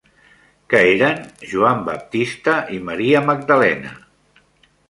Què eren Joan Baptista i Maria Magdalena?